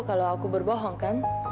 kalau aku berbohong kan